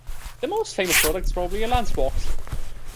The most famous product is probably a lunch box.